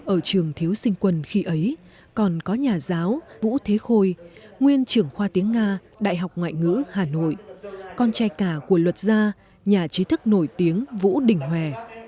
ở trường thiếu sinh quân khi ấy còn có nhà giáo vũ thế khôi nguyên trưởng khoa tiếng nga đại học ngoại ngữ hà nội con trai cả của luật gia nhà trí thức nổi tiếng vũ đình hòe